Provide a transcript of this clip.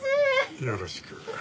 よろしく。